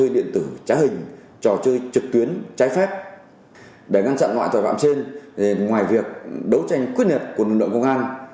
để ngăn chặn ngoại tội phạm trên ngoài việc đấu tranh quyết liệt của lực lượng công an